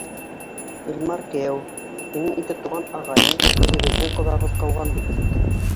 Илмар кейәү, һинең ике туған ағайың, үҙебеҙҙең ҡоҙабыҙ ҡыуған бит.